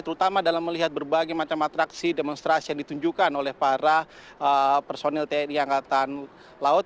terutama dalam melihat berbagai macam atraksi demonstrasi yang ditunjukkan oleh para personil tni angkatan laut